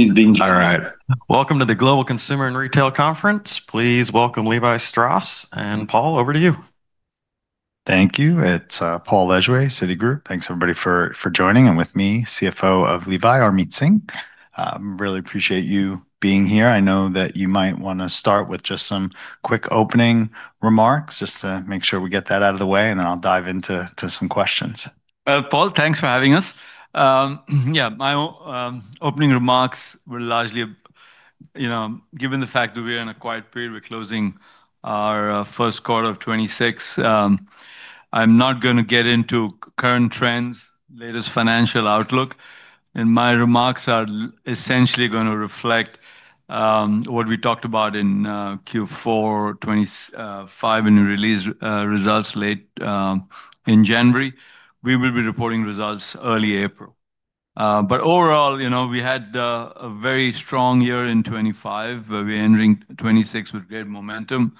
All right. Welcome to the Global Consumer and Retail Conference. Please welcome Levi Strauss. Paul, over to you. Thank you. It's Paul Lejuez, Citigroup. Thanks, everybody, for joining. With me, CFO of Levi, Harmit Singh. Really appreciate you being here. I know that you might wanna start with just some quick opening remarks just to make sure we get that out of the way, and then I'll dive into some questions. Paul, thanks for having us. Yeah, my opening remarks will largely, you know, given the fact that we're in a quiet period, we're closing our first quarter of 2026, I'm not gonna get into current trends, latest financial outlook. My remarks are essentially gonna reflect what we talked about in Q4 2025 when we released results late in January. We will be reporting results early April. Overall, you know, we had a very strong year in 2025, where we're entering 2026 with great momentum.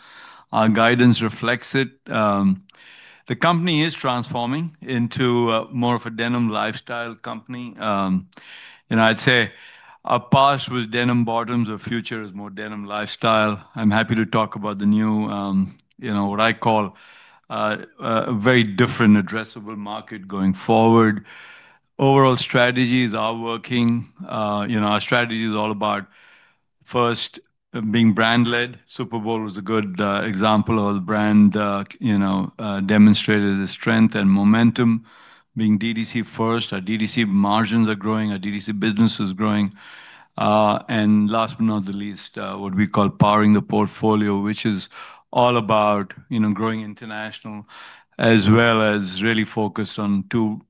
Our guidance reflects it. The company is transforming into more of a denim lifestyle company. You know, I'd say our past was denim bottoms, our future is more denim lifestyle. I'm happy to talk about the new, you know, what I call a very different addressable market going forward. Overall strategies are working. You know, our strategy is all about, first, being brand led. Super Bowl was a good example of the brand, you know, demonstrated the strength and momentum. Being DTC first, our DTC margins are growing, our DTC business is growing. Last but not the least, what we call powering the portfolio, which is all about, you know, growing international as well as really focused on two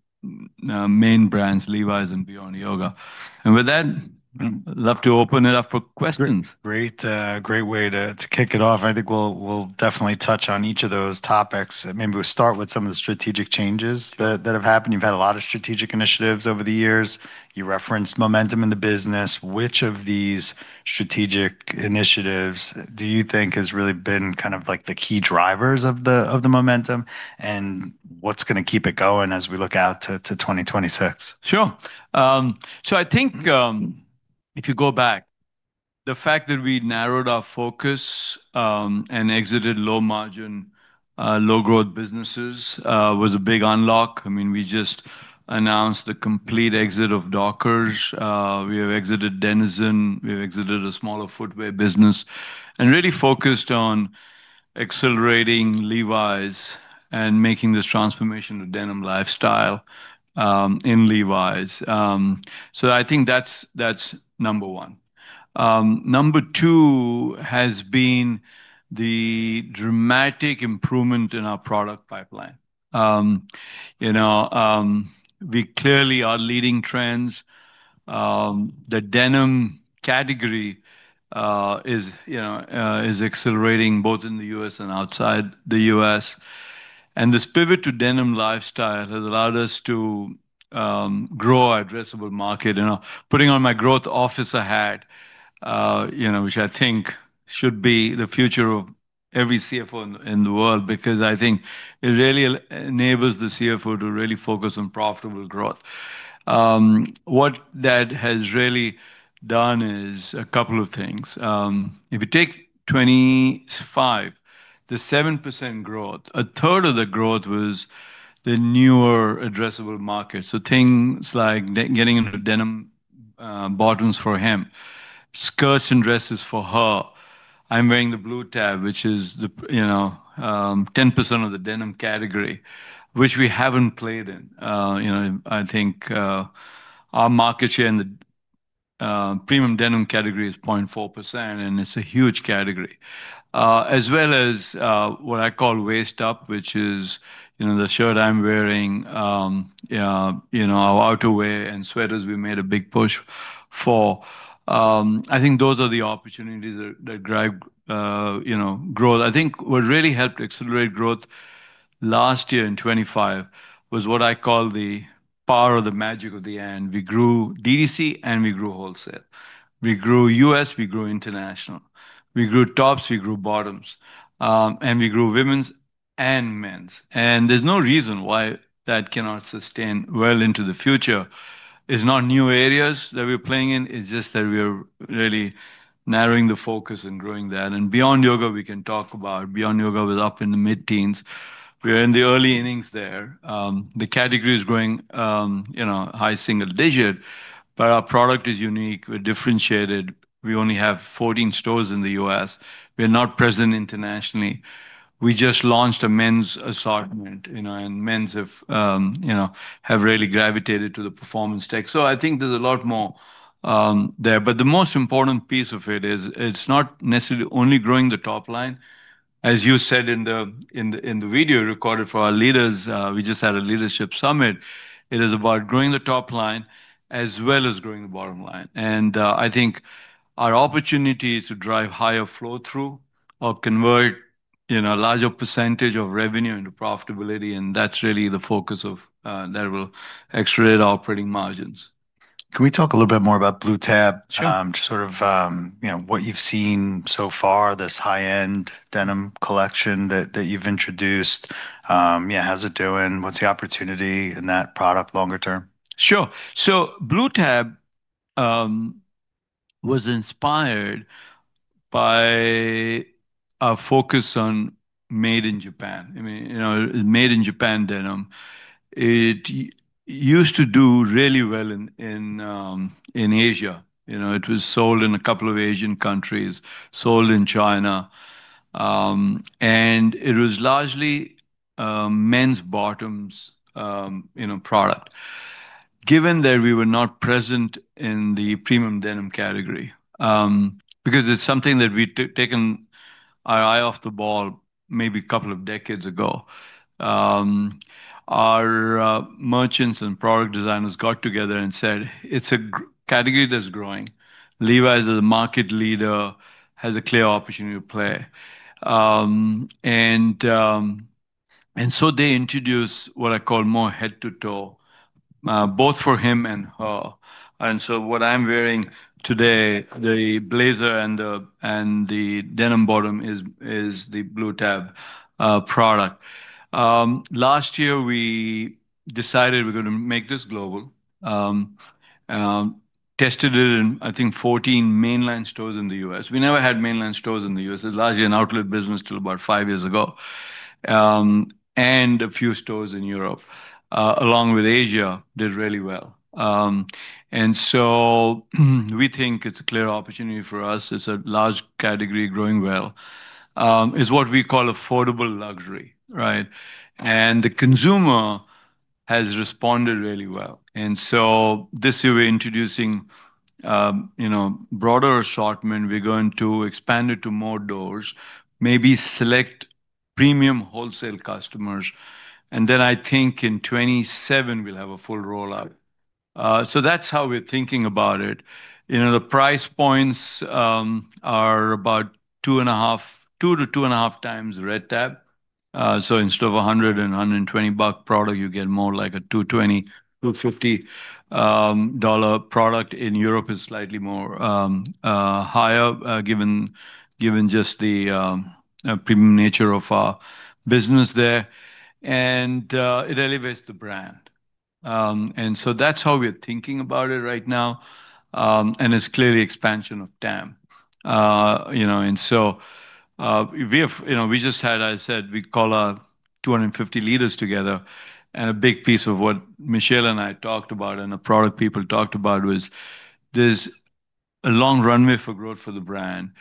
main brands, Levi's and Beyond Yoga. With that, I'd love to open it up for questions. Great. Great way to kick it off. I think we'll definitely touch on each of those topics. Maybe we'll start with some of the strategic changes that have happened. You've had a lot of strategic initiatives over the years. You referenced momentum in the business. Which of these strategic initiatives do you think has really been kind of like the key drivers of the, of the momentum? What's gonna keep it going as we look out to 2026? Sure. I think, if you go back, the fact that we narrowed our focus and exited low margin, low growth businesses, was a big unlock. I mean, we just announced the complete exit of Dockers. We have exited Denizen. We've exited a smaller footwear business. Really focused on accelerating Levi's and making this transformation to denim lifestyle in Levi's. I think that's number one. Number two has been the dramatic improvement in our product pipeline. You know, we clearly are leading trends. The denim category is, you know, is accelerating both in the U.S. and outside the U.S. This pivot to denim lifestyle has allowed us to grow our addressable market. You know, putting on my growth officer hat, you know, which I think should be the future of every CFO in the world because I think it really enables the CFO to really focus on profitable growth. What that has really done is a couple of things. If you take 25, the 7% growth, a third of the growth was the newer addressable markets. Things like getting into denim, bottoms for him, skirts and dresses for her. I'm wearing the Blue Tab, which is the, you know, 10% of the denim category, which we haven't played in. You know, I think, our market share in the premium denim category is 0.4%, and it's a huge category. as well as, what I call waist up, which is, you know, the shirt I'm wearing, our outerwear and sweaters we made a big push for. I think those are the opportunities that drive, you know, growth. I think what really helped to accelerate growth last year in 2025 was what I call the power or the magic of the "and." We grew DTC, and we grew wholesale. We grew U.S., we grew international. We grew tops, we grew bottoms. We grew women's and men's. There's no reason why that cannot sustain well into the future. It's not new areas that we're playing in, it's just that we're really narrowing the focus and growing that. Beyond Yoga we can talk about. Beyond Yoga was up in the mid-teens. We are in the early innings there. The category is growing, you know, high single digit, but our product is unique. We're differentiated. We only have 14 stores in the U.S. We're not present internationally. We just launched a men's assortment, you know. Men's have, you know, really gravitated to the performance tech. I think there's a lot more there. The most important piece of it is, it's not necessarily only growing the top line. As you said in the video recorded for our leaders, we just had a leadership summit, it is about growing the top line as well as growing the bottom line. I think our opportunity to drive higher flow through or convert, you know, a larger percentage of revenue into profitability, and that's really the focus of that will accelerate our operating margins. Can we talk a little bit more about Blue Tab? Sure. Just sort of, you know, what you've seen so far, this high-end denim collection that you've introduced. Yeah, how's it doing? What's the opportunity in that product longer term? Sure. Blue Tab was inspired by a focus on made in Japan. I mean, you know, made in Japan denim. It used to do really well in Asia. You know, it was sold in a couple of Asian countries, sold in China, and it was largely a men's bottoms, you know, product. Given that we were not present in the premium denim category, because it's something that we'd taken our eye off the ball maybe a couple of decades ago, our merchants and product designers got together and said, "It's a category that's growing. Levi's as a market leader has a clear opportunity to play." They introduced what I call more head to toe, both for him and her. What I'm wearing today, the blazer and the denim bottom is the Blue Tab product. Last year we decided we're gonna make this global. Tested it in I think 14 mainland stores in the U.S. We never had mainland stores in the U.S. It was largely an outlet business till about five years ago. A few stores in Europe, along with Asia, did really well. We think it's a clear opportunity for us. It's a large category growing well. It's what we call affordable luxury, right? The consumer has responded really well. This year we're introducing, you know, broader assortment. We're going to expand it to more doors, maybe select premium wholesale customers, and then I think in 2027 we'll have a full rollout. That's how we're thinking about it. You know, the price points are about 2.5, 2-2.5x Red Tab. Instead of a $120 product, you get more like a $220-$250 product. In Europe it's slightly more higher given just the premium nature of our business there. It elevates the brand. That's how we're thinking about it right now, and it's clearly expansion of TAM. You know, we just had, I said, we call our 250 leaders together, and a big piece of what Michelle and I talked about and the product people talked about was there's a long runway for growth for the brand.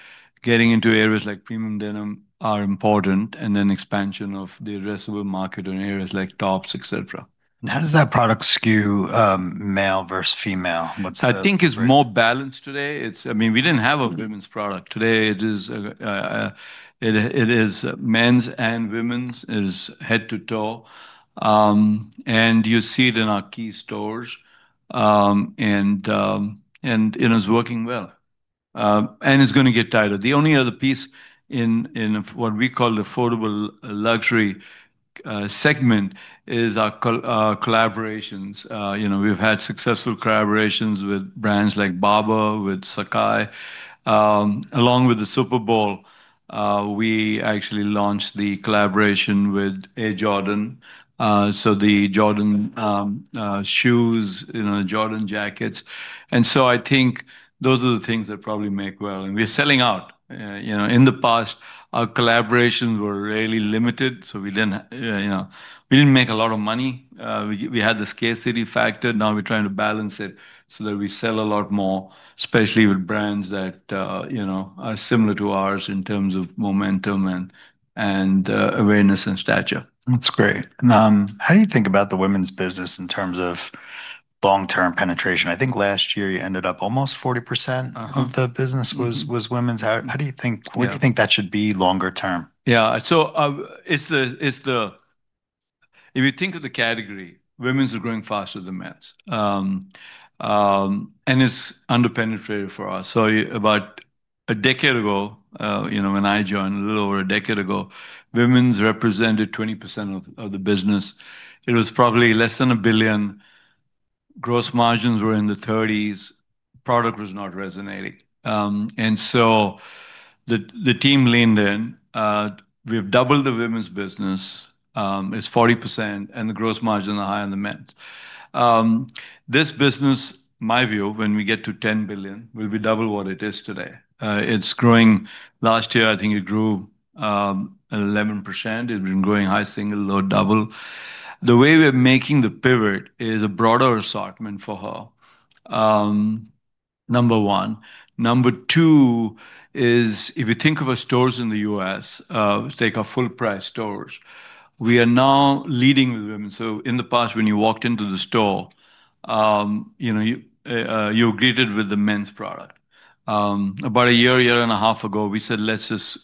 Getting into areas like premium denim are important, and then expansion of the addressable market on areas like tops, et cetera. How does that product skew, male versus female? I think it's more balanced today. It's, I mean, we didn't have a women's product. Today it is, it is men's and women's, is head to toe. You see it in our key stores, and it is working well. It's gonna get tighter. The only other piece in what we call affordable luxury, segment is our collaborations. You know, we've had successful collaborations with brands like Barbour, with sacai. Along with the Super Bowl, we actually launched the collaboration with Air Jordan, so the Jordan shoes, you know, Jordan jackets. I think those are the things that probably make well. We're selling out. You know, in the past our collaborations were really limited, so we didn't, you know, we didn't make a lot of money. We had the scarcity factor. Now we're trying to balance it so that we sell a lot more, especially with brands that, you know, are similar to ours in terms of momentum and awareness and stature. That's great. How do you think about the women's business in terms of long-term penetration? I think last year you ended up almost 40%. Uh-huh. Of the business was Mm-hmm. Was women's. How do you think Yeah. Where do you think that should be longer term? Yeah. If you think of the category, women's are growing faster than men's. It's under-penetrated for us. About a decade ago, you know, when I joined, a little over a decade ago, women's represented 20% of the business. It was probably less than $1 billion. Gross margins were in the 30s. Product was not resonating. The team leaned in. We've doubled the women's business, it's 40%, the gross margins are higher than the men's. This business, my view, when we get to $10 billion, will be double what it is today. It's growing. Last year I think it grew 11%. It's been growing high single, low double. The way we're making the pivot is a broader assortment for her, number one. Number two is if you think of our stores in the U.S., take our full price stores, we are now leading with women. In the past when you walked into the store, you know, you're greeted with the men's product. About a year and a half ago, we said let's just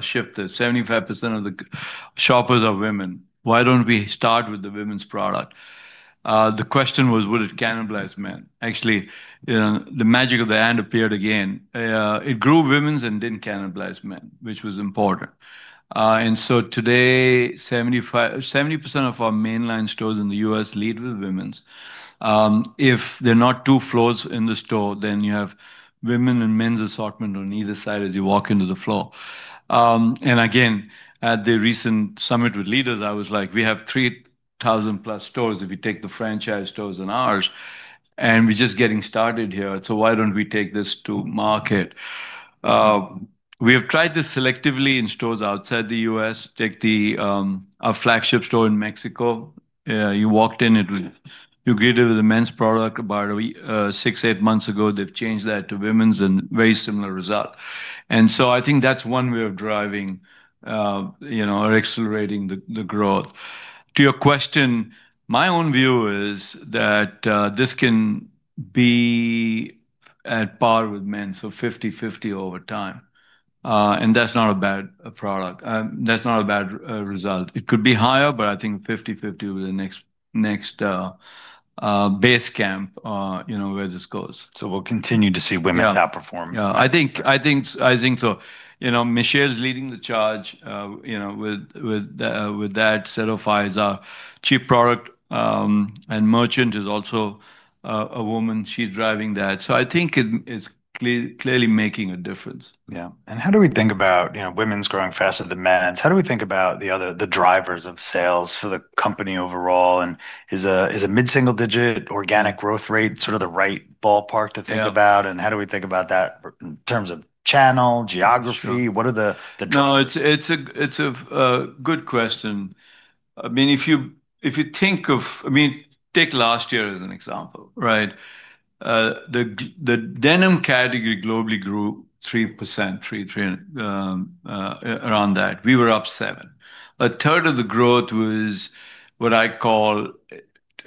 shift this. 75% of the shoppers are women. Why don't we start with the women's product? The question was, would it cannibalize men? Actually, the magic of the ad appeared again. It grew women's and didn't cannibalize men, which was important. Today 70% of our mainline stores in the U.S. lead with women's. If there are not two floors in the store, you have women and men's assortment on either side as you walk into the floor. Again, at the recent summit with leaders, I was like, "We have 3,000 plus stores if you take the franchise stores and ours, and we're just getting started here. Why don't we take this to market? We have tried this selectively in stores outside the U.S. Take the, our flagship store in Mexico. You walked in, you're greeted with a men's product. About six, eight months ago they've changed that to women's, and very similar result. I think that's one way of driving, you know, or accelerating the growth. To your question, my own view is that this can be at par with men, so 50/50 over time. That's not a bad product. That's not a bad result. It could be higher, but I think 50/50 will be the next base camp, you know, where this goes. We'll continue to see women Yeah Outperform. Yeah, I think so. You know, Michelle is leading the charge, you know, with that. Karyn Hillman is our Chief Product, and merchant is also a woman. She's driving that. I think it's clearly making a difference. Yeah. How do we think about, you know, women's growing faster than men's? How do we think about the drivers of sales for the company overall? Is a mid-single digit organic growth rate sort of the right ballpark to think about? Yeah. How do we think about that in terms of channel, geography? Sure. What are the drivers? No, it's a good question. I mean, if you think of. I mean, take last year as an example, right. The denim category globally grew 3%, around that. We were up 7%. A third of the growth was what I call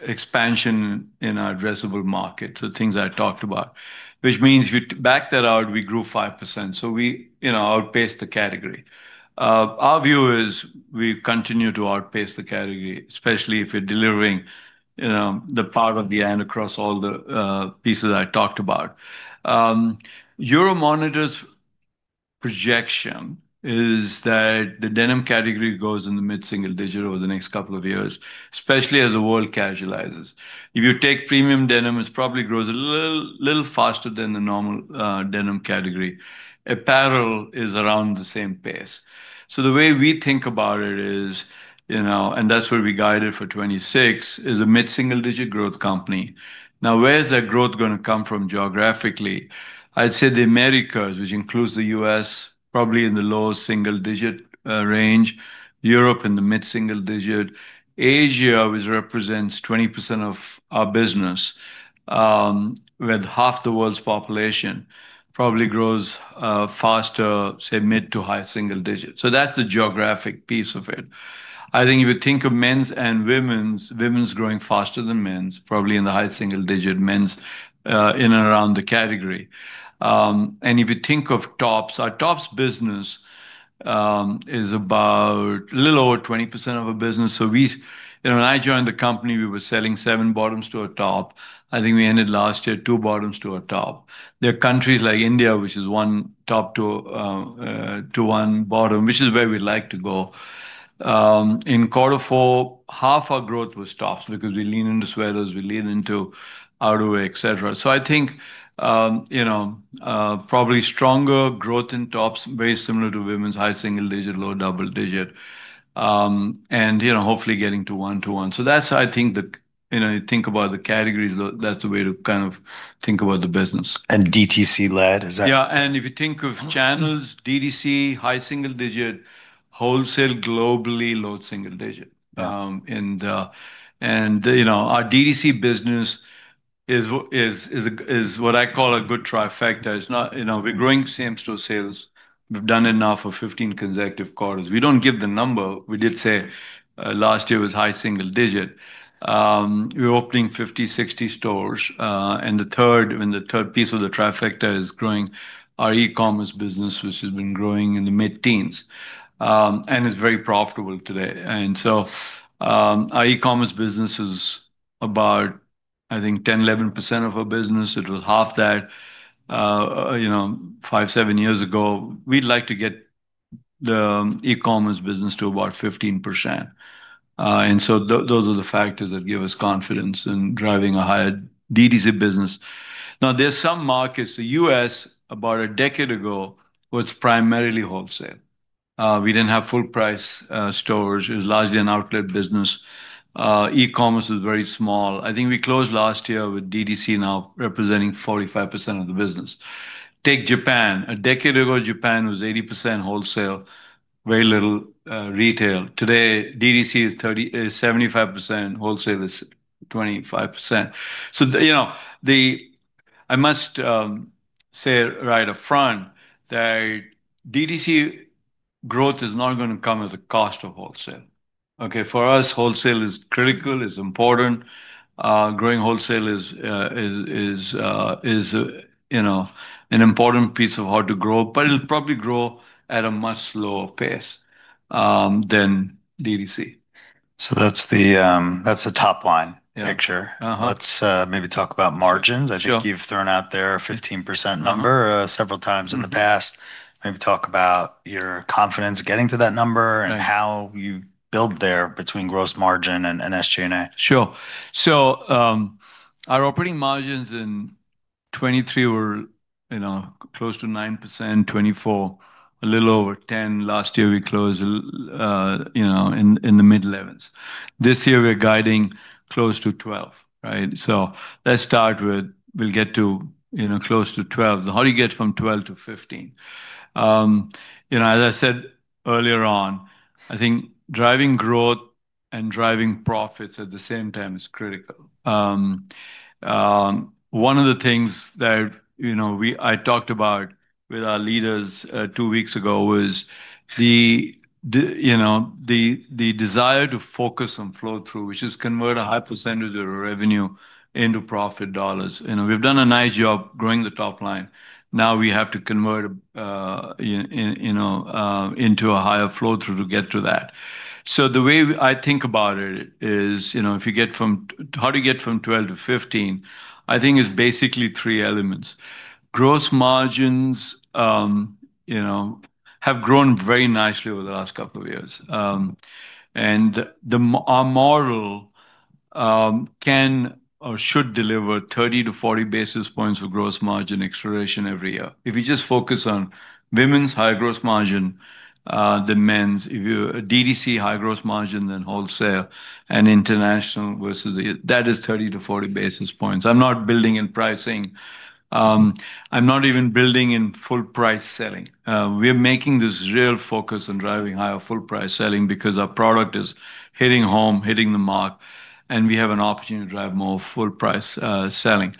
expansion in our addressable market, so things I talked about. Which means if you back that out, we grew 5%, so we, you know, outpaced the category. Our view is we continue to outpace the category, especially if you're delivering, you know, the power of the And across all the pieces I talked about. Euromonitor's projection is that the denim category grows in the mid-single digit over the next couple of years, especially as the world casualizes. If you take premium denim, it probably grows a little faster than the normal denim category. Apparel is around the same pace. The way we think about it is, you know, and that's where we guided for 2026, is a mid-single-digit growth company. Now, where is that growth gonna come from geographically? I'd say the Americas, which includes the U.S., probably in the low-single-digit range. Europe in the mid-single-digit. Asia, which represents 20% of our business, with half the world's population, probably grows faster, say mid-to-high single digits. That's the geographic piece of it. I think if you think of men's and women's growing faster than men's, probably in the high-single-digit. Men's in and around the category. If you think of tops, our tops business is about a little over 20% of our business. You know, when I joined the company, we were selling seven bottoms to a top. I think we ended last year two bottoms to a top. There are countries like India, which is one top to one bottom, which is where we like to go. In quarter four, half our growth was tops because we lean into sweaters, we lean into outerwear, et cetera. I think, you know, probably stronger growth in tops, very similar to women's, high single-digit, low double-digit. You know, hopefully getting to one to one. That's how I think the, you know, you think about the categories, that's the way to kind of think about the business. DTC led, is that? Yeah, and if you think of channels, DTC, high single digit. Wholesale globally, low single digit. Yeah. You know, our DTC business is what I call a good trifecta. You know, we're growing same store sales. We've done it now for 15 consecutive quarters. We don't give the number. We did say last year was high single digit. We're opening 50, 60 stores. The third piece of the trifecta is growing our e-commerce business, which has been growing in the mid-teens and is very profitable today. Our e-commerce business is about, I think 10%, 11% of our business. It was half that, you know, five, seven years ago. We'd like to get the e-commerce business to about 15%. Those are the factors that give us confidence in driving a higher DTC business. There's some markets, the U.S. About a decade ago was primarily wholesale. We didn't have full price stores. It was largely an outlet business. E-commerce was very small. I think we closed last year with DTC now representing 45% of the business. Take Japan. A decade ago, Japan was 80% wholesale, very little retail. Today, DTC is 75%. Wholesale is 25%. You know, I must say right up front that DTC growth is not gonna come as a cost of wholesale, okay? For us, wholesale is critical, it's important. Growing wholesale is, you know, an important piece of how to grow, but it'll probably grow at a much slower pace than DTC. That's the, that's the top line picture. Yeah. Uh-huh. Let's maybe talk about margins. Sure. I think you've thrown out there a 15% number, several times in the past. Mm-hmm. Maybe talk about your confidence getting to that number? Right And how you build there between gross margin and SG&A. Sure. Our operating margins in 2023 were, you know, close to 9%, 2024 a little over 10%. Last year we closed, you know, in the mid-elevens. This year we're guiding close to 12%, right? Let's start with we'll get to, you know, close to 12%. Now, how do you get from 12%-15%? You know, as I said earlier on, I think driving growth and driving profits at the same time is critical. One of the things that, you know, I talked about with our leaders two weeks ago was, you know, the desire to focus on flow-through, which is convert a high % of the revenue into profit dollars. You know, we've done a nice job growing the top line. Now we have to convert, you know, into a higher flow-through to get to that. The way I think about it is, you know, how do you get from 12-15, I think is basically three elements. Gross margins, you know, have grown very nicely over the last couple of years. Our model can or should deliver 30-40 basis points of gross margin acceleration every year. If you just focus on women's higher gross margin than men's, if you're a DTC higher gross margin than wholesale and international. That is 30-40 basis points. I'm not building in pricing. I'm not even building in full price selling. We're making this real focus on driving higher full-price selling because our product is hitting home, hitting the mark, and we have an opportunity to drive more full-price selling.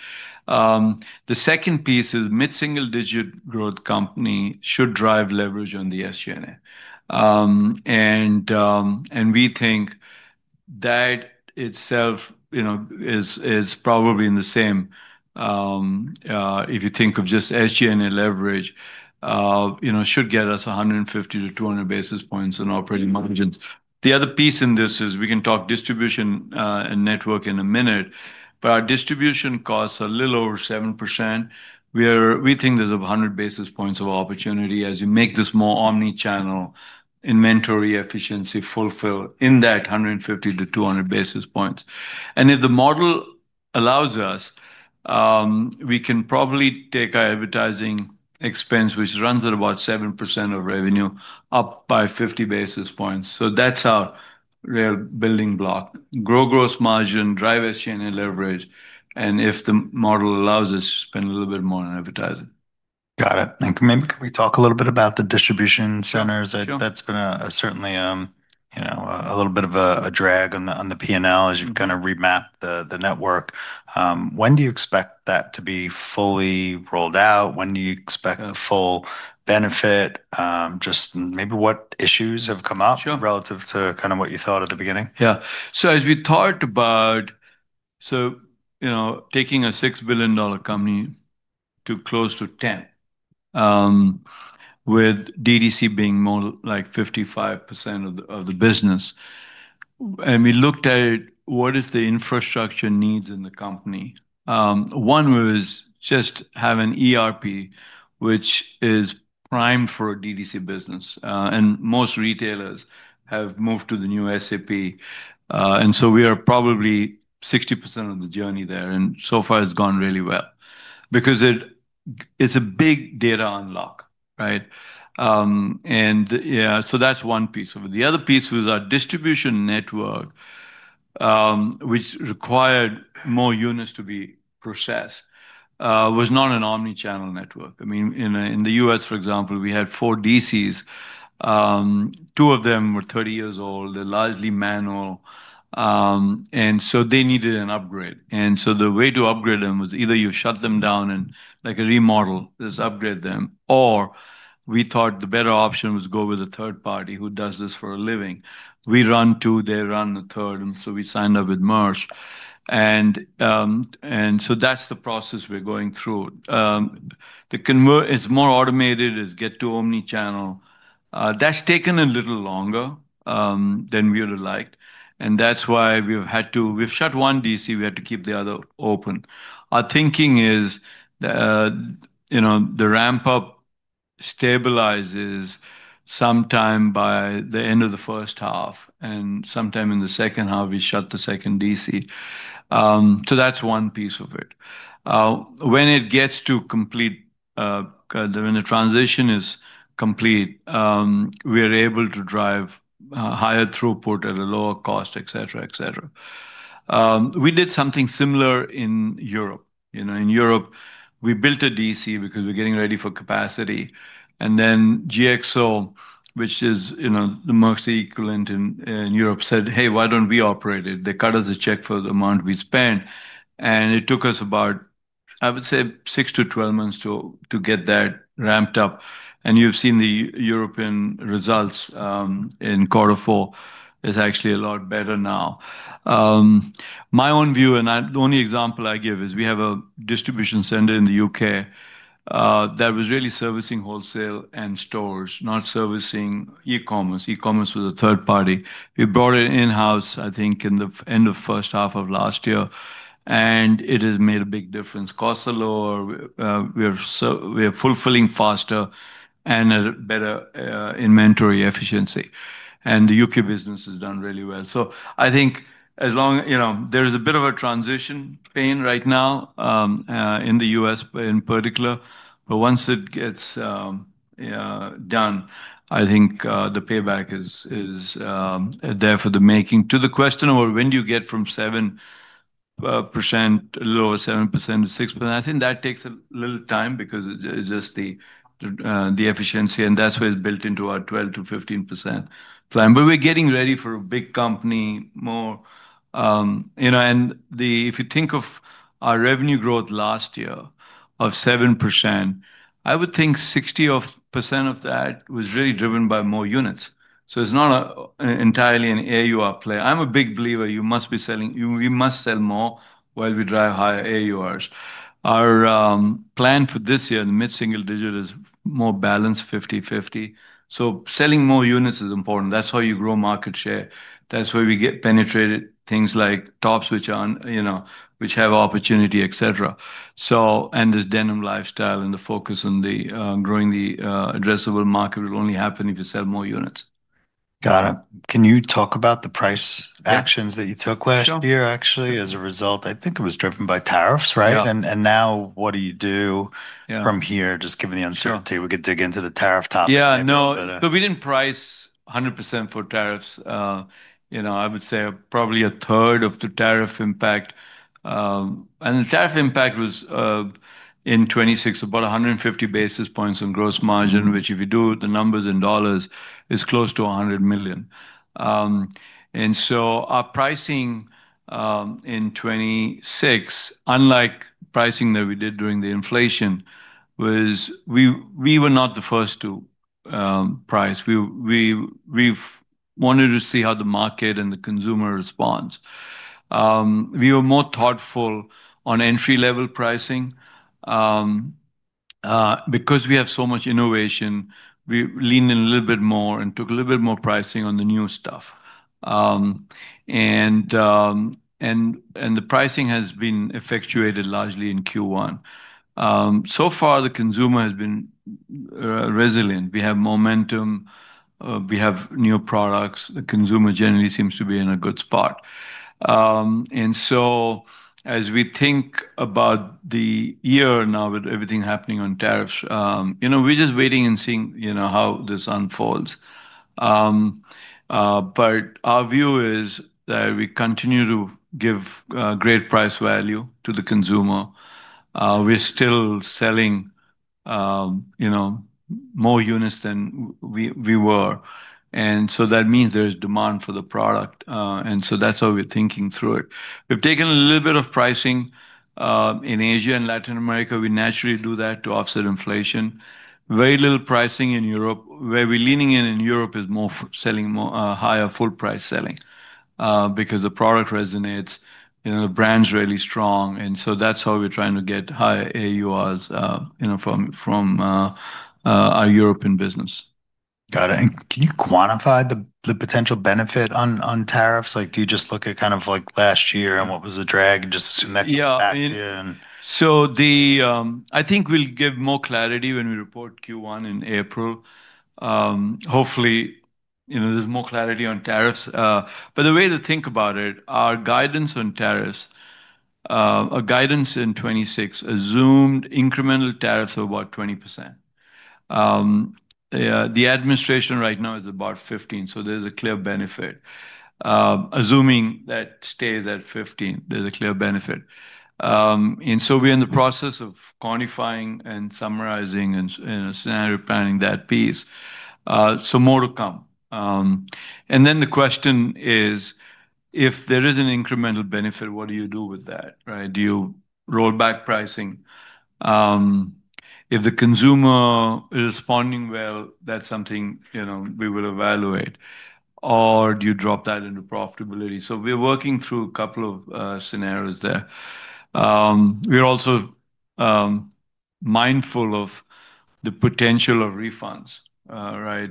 The second piece is mid-single-digit growth company should drive leverage on the SG&A. And we think that itself, you know, is probably in the same, if you think of just SG&A leverage, you know, should get us 150-200 basis points in operating margins. The other piece in this is we can talk distribution and network in a minute. Our distribution costs a little over 7%. We think there's 100 basis points of opportunity as you make this more omni-channel, inventory efficiency fulfill in that 150-200 basis points. If the model allows us, we can probably take our advertising expense, which runs at about 7% of revenue, up by 50 basis points. That's our real building block. Grow gross margin, drive SG&A leverage, and if the model allows us, spend a little bit more on advertising. Got it. Thank you. Maybe can we talk a little bit about the distribution centers? Sure. That's been, certainly, you know, a little bit of a drag on the P&L as you kinda remap the network. When do you expect that to be fully rolled out? When do you expect the full benefit? Just maybe what issues have come up? Sure Relative to kinda what you thought at the beginning? Yeah. As we thought about, you know, taking a $6 billion company to close to $10 billion, with DTC being more like 55% of the business, we looked at what is the infrastructure needs in the company. One was just have an ERP which is primed for a DTC business. Most retailers have moved to the new SAP, we are probably 60% of the journey there, so far it's gone really well because it's a big data unlock, right? Yeah, that's one piece of it. The other piece was our distribution network, which required more units to be processed, was not an omni-channel network. I mean, in the U.S., for example, we had four DCs. Two of them were 30 years old. They're largely manual. They needed an upgrade. The way to upgrade them was either you shut them down and like a remodel, just upgrade them, or we thought the better option was go with a third party who does this for a living. We run two, they run the third. We signed up with Marsh. That's the process we're going through. It's more automated. It's get to omni-channel. That's taken a little longer than we would've liked, and that's why we've had to. We've shut one DC. We had to keep the other open. Our thinking is the, you know, the ramp-up stabilizes sometime by the end of the first half, and sometime in the second half we shut the second DC. That's one piece of it. When the transition is complete, we're able to drive higher throughput at a lower cost, et cetera, et cetera. We did something similar in Europe. You know, in Europe, we built a D.C. because we're getting ready for capacity, and then GXO, which is, you know, the most equivalent in Europe, said, "Hey, why don't we operate it?" They cut us a check for the amount we spent, it took us about, I would say, six-12 months to get that ramped up. You've seen the European results in quarter four. It's actually a lot better now. My own view, the only example I give is we have a distribution center in the U.K. that was really servicing wholesale and stores, not servicing e-commerce. E-commerce was a third party. We brought it in-house, I think, in the end of first half of last year, and it has made a big difference. Costs are lower. We're fulfilling faster and a better inventory efficiency. The U.K. business has done really well. I think as long, you know, there is a bit of a transition pain right now in the U.S. in particular, but once it gets done, I think the payback is there for the making. To the question about when do you get from 7% lower, 7%-6%, I think that takes a little time because it's just the efficiency, and that's why it's built into our 12%-15% plan. We're getting ready for a big company more, you know. If you think of our revenue growth last year of 7%, I would think 60% of that was really driven by more units. It's not entirely an AUR play. I'm a big believer you must be selling. You must sell more while we drive higher AURs. Our plan for this year, the mid-single digit, is more balanced 50/50. Selling more units is important. That's how you grow market share. That's where we get penetrated, things like tops which are on, you know, which have opportunity, et cetera. This denim lifestyle and the focus on the growing the addressable market will only happen if you sell more units. Got it. Can you talk about the price Yeah Actions that you took. Sure Last year actually as a result? I think it was driven by tariffs, right? Yeah. Now what do you do? Yeah From here, just given the uncertainty? Sure. We could dig into the tariff topic maybe a bit better. Yeah. No. We didn't price 100% for tariffs. You know, I would say probably a third of the tariff impact. The tariff impact was in 2026, about 150 basis points on gross margin, which if you do the numbers in dollars, is close to $100 million. Our pricing in 2026, unlike pricing that we did during the inflation, was we were not the first to price. We've wanted to see how the market and the consumer responds. We were more thoughtful on entry-level pricing. Because we have so much innovation, we leaned in a little bit more and took a little bit more pricing on the new stuff. And the pricing has been effectuated largely in Q1. So far the consumer has been resilient. We have momentum. We have new products. The consumer generally seems to be in a good spot. As we think about the year now with everything happening on tariffs, you know, we're just waiting and seeing, you know, how this unfolds. Our view is that we continue to give great price value to the consumer. We're still selling, you know, more units than we were, and so that means there's demand for the product. That's how we're thinking through it. We've taken a little bit of pricing in Asia and Latin America. We naturally do that to offset inflation. Very little pricing in Europe. Where we're leaning in in Europe is more selling more higher full price selling because the product resonates. You know, the brand's really strong, and so that's how we're trying to get higher AURs, you know, from our European business. Got it. Can you quantify the potential benefit on tariffs? Like, do you just look at kind of like last year and what was the drag and just assume that came back in? Yeah. I think we'll give more clarity when we report Q1 in April. Hopefully, you know, there's more clarity on tariffs. The way to think about it, our guidance on tariffs, our guidance in 2026 assumed incremental tariffs of about 20%. The administration right now is about 15, so there's a clear benefit. Assuming that stays at 15, there's a clear benefit. We're in the process of quantifying and summarizing and you know, scenario planning that piece. More to come. Then the question is, if there is an incremental benefit, what do you do with that, right? Do you roll back pricing? If the consumer is responding well, that's something, you know, we will evaluate. Do you drop that into profitability? We're working through a couple of scenarios there. We're also mindful of the potential of refunds, right?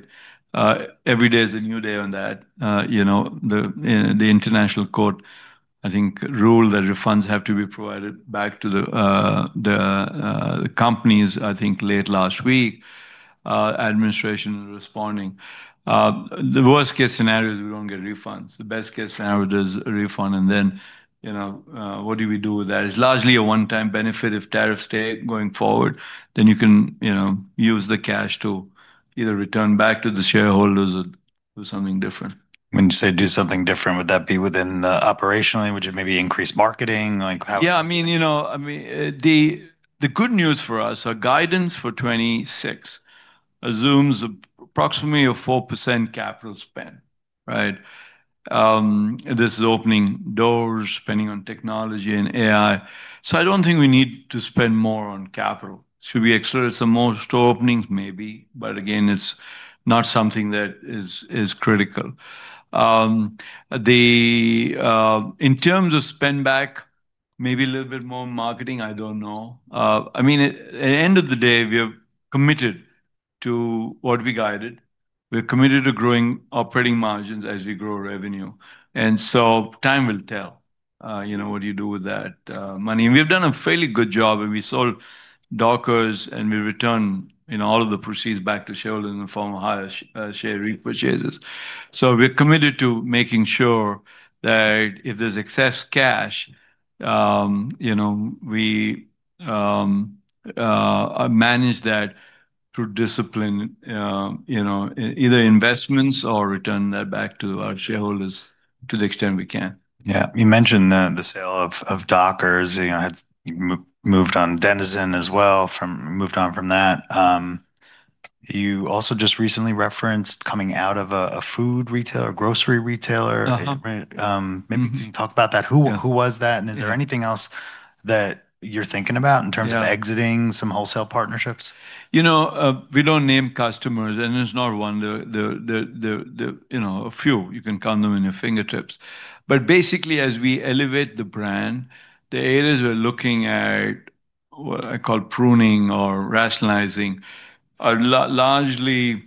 Every day is a new day on that. You know, the international court I think ruled that refunds have to be provided back to the companies I think late last week. Administration is responding. The worst-case scenario is we don't get refunds. The best-case scenario there's a refund and then, you know, what do we do with that? It's largely a one-time benefit if tariffs stay going forward. You can, you know, use the cash to either return back to the shareholders or do something different. When you say do something different, would that be within the operationally? Would you maybe increase marketing? Like how? Yeah. The good news for us, our guidance for 2026 assumes approximately a 4% capital spend, right? This is opening doors, spending on technology and AI. I don't think we need to spend more on capital. Should we accelerate some more store openings? Maybe. Again, it's not something that is critical. Maybe a little bit more marketing, I don't know. At the end of the day, we are committed to what we guided. We're committed to growing operating margins as we grow revenue. Time will tell what you do with that money. We've done a fairly good job, and we sold Dockers, and we returned, you know, all of the proceeds back to shareholders in the form of higher share repurchases. We're committed to making sure that if there's excess cash, you know, we manage that through discipline. You know, either investments or return that back to our shareholders to the extent we can. Yeah. You mentioned the sale of Dockers. You know, moved on from that. You also just recently referenced coming out of a food retailer, a grocery retailer. Uh-huh. Right. Mm-hmm can you talk about that? Yeah Who was that, and is there anything else that you're thinking about in terms Yeah Of exiting some wholesale partnerships? You know, we don't name customers, and there's not one. There, you know, a few. You can count them in your fingertips. Basically, as we elevate the brand, the areas we're looking at, what I call pruning or rationalizing, are largely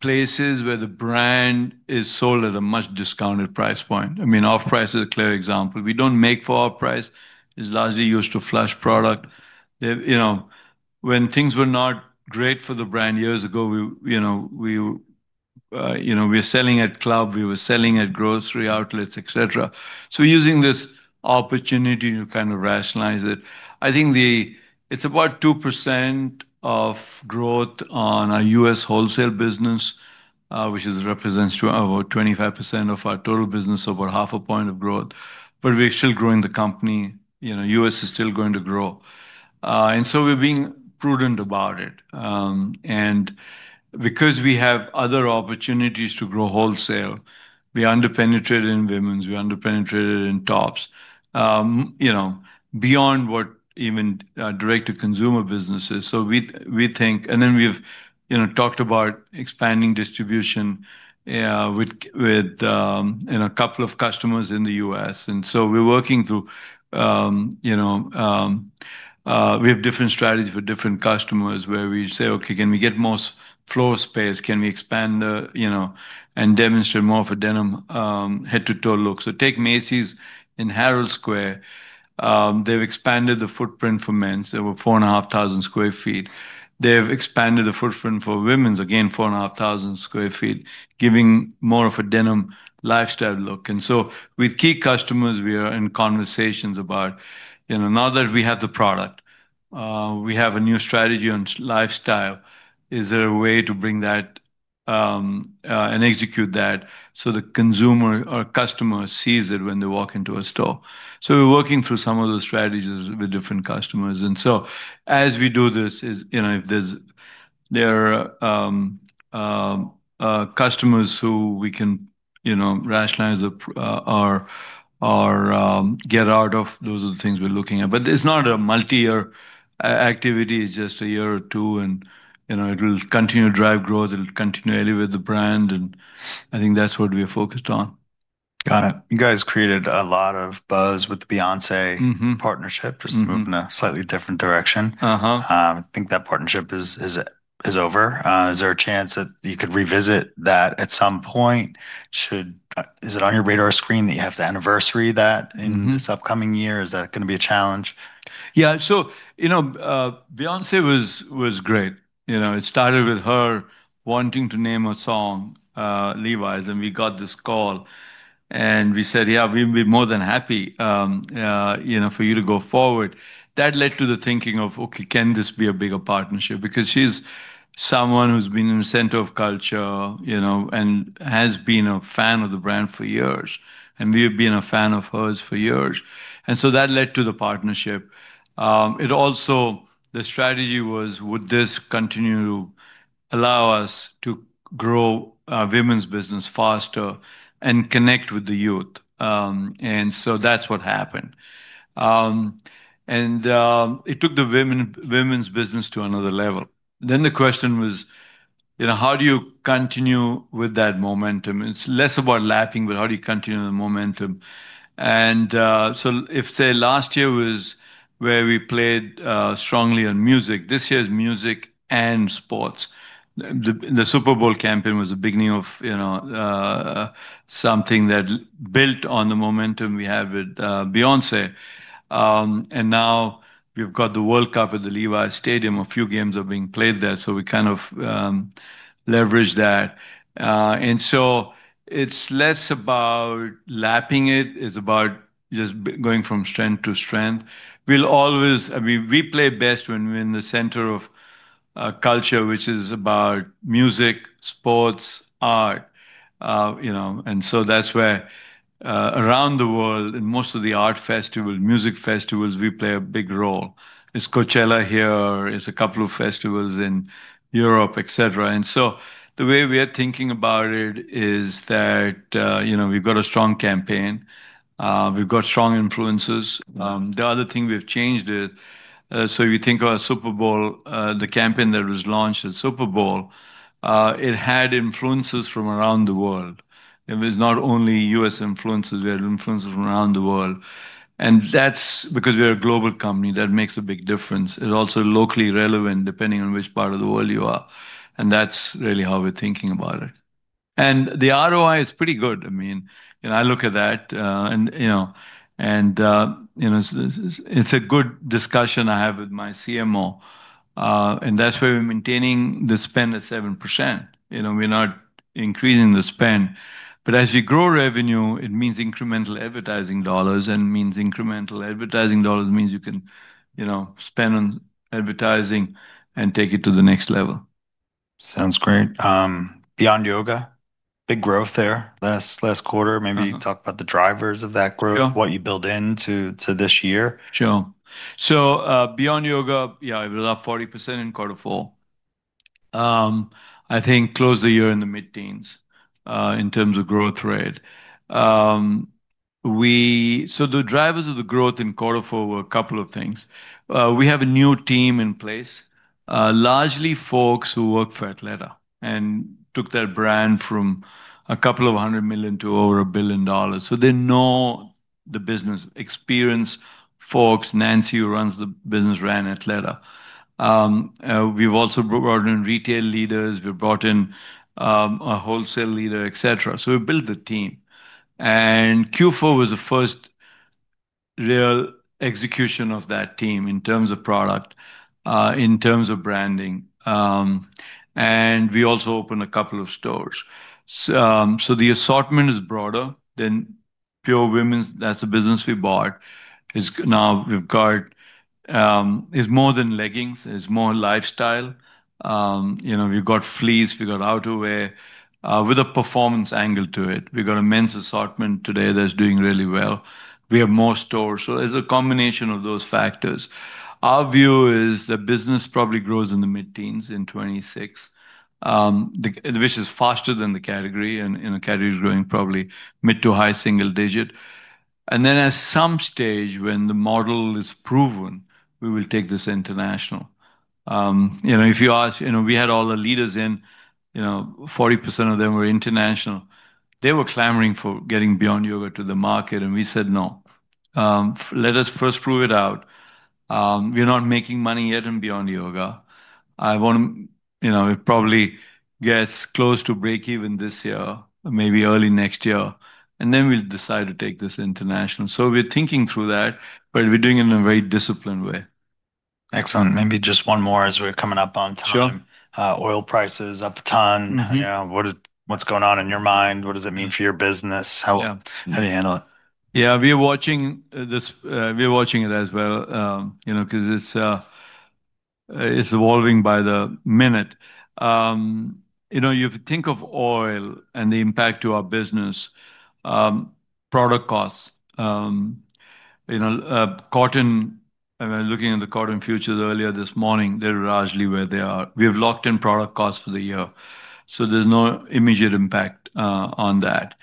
places where the brand is sold at a much discounted price point. I mean, off-price is a clear example. We don't make for off-price. It's largely used to flush product. The, you know, when things were not great for the brand years ago, we were selling at club, we were selling at grocery outlets, et cetera. We're using this opportunity to kind of rationalize it. I think the, it's about 2% of growth on our U.S. wholesale business, which represents to about 25% of our total business, over half a point of growth. We're still growing the company. You know, U.S. is still going to grow. We're being prudent about it. Because we have other opportunities to grow wholesale, we under-penetrated in women's, we under-penetrated in tops, you know, beyond what even our direct-to-consumer business is. We think. Then we've, you know, talked about expanding distribution with, you know, a couple of customers in the U.S. We're working through, you know, we have different strategies for different customers where we say, "Okay, can we get more floor space? Can we expand the, you know, and demonstrate more of a denim head-to-toe look?" Take Macy's in Herald Square, they've expanded the footprint for men's. They were 4,500 sq ft. They've expanded the footprint for women's, again, 4,500 sq ft, giving more of a denim lifestyle look. With key customers, we are in conversations about, you know, now that we have the product, we have a new strategy on lifestyle, is there a way to bring that and execute that so the consumer or customer sees it when they walk into a store? We're working through some of those strategies with different customers. As we do this is, you know, if there are customers who we can, you know, rationalize or get out of, those are the things we're looking at. It's not a multi-year activity. It's just a year or two, and, you know, it will continue to drive growth. It'll continue to elevate the brand, and I think that's what we're focused on. Got it. You guys created a lot of buzz with the Beyoncé Mm-hmm Partnership Mm-hmm Just to move in a slightly different direction. Uh-huh. I think that partnership is over. Is there a chance that you could revisit that at some point? Is it on your radar screen that you have to anniversary that? Mm-hmm This upcoming year? Is that gonna be a challenge? Yeah. You know, Beyoncé was great. You know, it started with her wanting to name a song, Levi's, and we got this call, and we said, "Yeah, we'd be more than happy, you know, for you to go forward." That led to the thinking of, okay, can this be a bigger partnership? Because she's someone who's been in the center of culture, you know, and has been a fan of the brand for years, and we have been a fan of hers for years. That led to the partnership. It also, the strategy was would this continue to allow us to grow our women's business faster and connect with the youth? That's what happened. It took the women's business to another level. The question was, you know, how do you continue with that momentum? It's less about lapping, but how do you continue the momentum? If, say, last year was where we played strongly on music, this year's music and sports. The Super Bowl campaign was the beginning of, you know, something that built on the momentum we have with Beyoncé. Now we've got the World Cup at the Levi's Stadium. A few games are being played there, so we kind of leveraged that. It's less about lapping it. It's about just going from strength to strength. We'll always, I mean, we play best when we're in the center of culture, which is about music, sports, art, you know. That's where, around the world in most of the art festival, music festivals, we play a big role. There's Coachella here. There's a couple of festivals in Europe, et cetera. The way we are thinking about it is that, you know, we've got a strong campaign. We've got strong influencers. The other thing we've changed is, so if you think about Super Bowl, the campaign that was launched at Super Bowl, it had influencers from around the world. It was not only U.S. influences, we had influences from around the world. That's because we're a global company. That makes a big difference. It's also locally relevant depending on which part of the world you are. That's really how we're thinking about it. The ROI is pretty good. I mean, and I look at that, and, you know, it's a good discussion I have with my CMO. That's why we're maintaining the spend at 7%. You know, we're not increasing the spend. As you grow revenue, it means incremental advertising dollars means you can, you know, spend on advertising and take it to the next level. Sounds great. Beyond Yoga, big growth there last quarter. Mm-hmm. Maybe you can talk about the drivers of that growth. Sure What you build into this year. Sure. Beyond Yoga, yeah, it was up 40% in quarter four. I think close the year in the mid-teens in terms of growth rate. The drivers of the growth in quarter four were a couple of things. We have a new team in place, largely folks who work for Athleta and took their brand from a couple of $100 million to over $1 billion. They know the business. Experienced folks. Nancy, who runs the business, ran Athleta. We've also brought on retail leaders. We've brought in a wholesale leader, et cetera. We built a team, and Q4 was the first real execution of that team in terms of product, in terms of branding. We also opened a couple of stores. The assortment is broader than pure women's. That's the business we bought. Now we've got, is more than leggings, is more lifestyle. you know, we've got fleece, we got outerwear, with a performance angle to it. We've got a men's assortment today that's doing really well. We have more stores. It's a combination of those factors. Our view is the business probably grows in the mid-teens in 2026, which is faster than the category, and, you know, category is growing probably mid to high single digit. At some stage when the model is proven, we will take this international. you know, if you ask, you know, we had all the leaders in, you know, 40% of them were international. They were clamoring for getting Beyond Yoga to the market, we said, no. Let us first prove it out. We are not making money yet in Beyond Yoga. I want to, you know, it probably gets close to break even this year, maybe early next year, and then we'll decide to take this international. We're thinking through that, but we're doing it in a very disciplined way. Excellent. Maybe just one more as we're coming up on time. Sure. Oil price is up a ton. Mm-hmm. You know, What's going on in your mind? What does it mean for your business? Yeah. How do you handle it? Yeah. We are watching this, we are watching it as well, you know, 'cause it's evolving by the minute. You know, if you think of oil and the impact to our business, product costs, you know, cotton, I mean, looking at the cotton futures earlier this morning, they're largely where they are. We have locked in product costs for the year, so there's no immediate impact on that.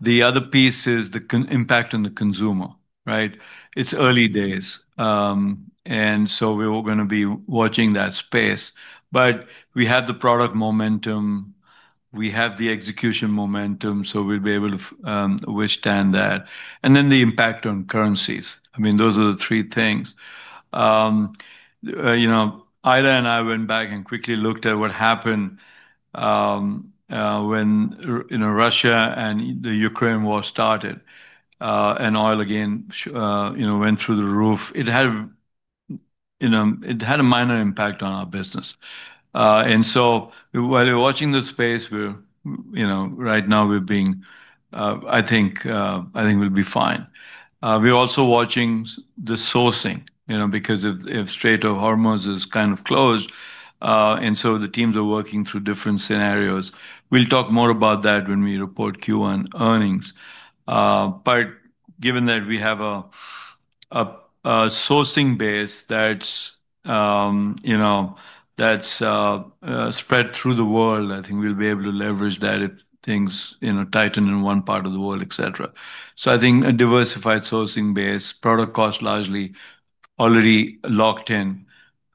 The other piece is the impact on the consumer, right? It's early days, we're gonna be watching that space. We have the product momentum, we have the execution momentum, so we'll be able to withstand that. The impact on currencies. I mean, those are the three things. You know, Ida and I went back and quickly looked at what happened, when you know, Russia and the Ukraine war started, and oil again you know, went through the roof. It had, you know, it had a minor impact on our business. While we're watching the space, we're, you know, right now we're being, I think, I think we'll be fine. We're also watching the sourcing, you know, because if Strait of Hormuz is kind of closed, the teams are working through different scenarios. We'll talk more about that when we report Q1 earnings. Given that we have a sourcing base that's, you know, that's spread through the world, I think we'll be able to leverage that if things, you know, tighten in one part of the world, et cetera. I think a diversified sourcing base, product cost largely already locked in,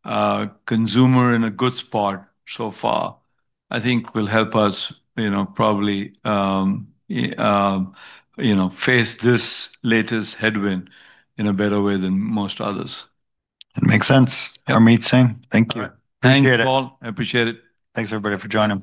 consumer in a good spot so far, I think will help us, you know, probably, you know, face this latest headwind in a better way than most others. It makes sense. Yeah. Harmit Singh, thank you. Thank you, Paul. Appreciate it. I appreciate it. Thanks everybody for joining us.